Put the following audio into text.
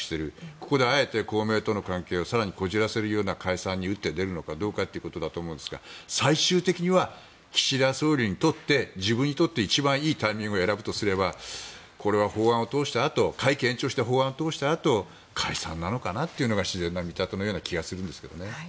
ここであえて公明党との関係を更にこじらせるような解散に打って出るのかどうかということだと思うんですが最終的には岸田総理にとって自分にとって一番いいタイミングを選ぶとするとこれは会期延長して法案を通したあと解散なのかなというのが自然な見立てなような気がするんですけどね。